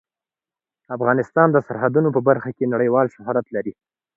افغانستان د سرحدونه په برخه کې نړیوال شهرت لري.